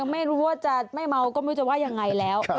ไม่รู้ว่าจะไม่เมาก็ไม่รู้จะว่ายังไงแล้ว